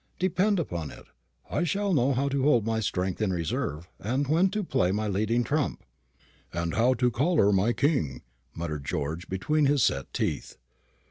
"Depend upon it, I shall know how to hold my strength in reserve, and when to play my leading trump." "And how to collar my king," muttered George between his set teeth.